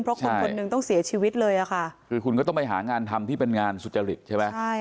เพราะคนคนหนึ่งต้องเสียชีวิตเลยอ่ะค่ะคือคุณก็ต้องไปหางานทำที่เป็นงานสุจริตใช่ไหมใช่